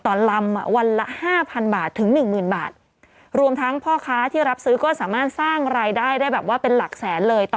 ลำวันละห้าพันบาทถึงหนึ่งหมื่นบาทรวมทั้งพ่อค้าที่รับซื้อก็สามารถสร้างรายได้ได้แบบว่าเป็นหลักแสนเลยต่อ